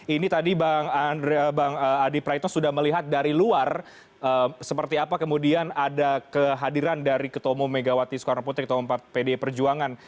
ini tadi bang andre bang adi praetno sudah melihat dari luar seperti apa kemudian ada kehadiran dari ketemu megawati soekarno putri ketemu empat pd perjuangan